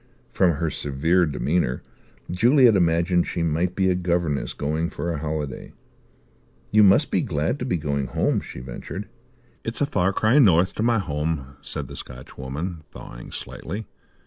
From her severe demeanour Juliet imagined she might be a governess going for a holiday. "You must be glad to be going home," she ventured. "It's a far cry north to my home," said the Scotchwoman, thawing slightly.